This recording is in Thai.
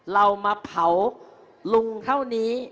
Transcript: เรามาเผาลุงเท่านี้